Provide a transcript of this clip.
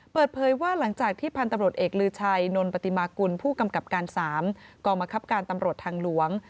เปิดเผยว่าหลังจากที่พันธุ์ตำรวจเอกลือชัยนนปฏิมากุลผู้กำกับการ๓กองบังคับการตำรวจทางหลวง